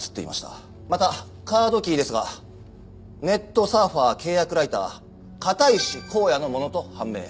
またカードキーですがネットサーファー契約ライター片石耕哉のものと判明。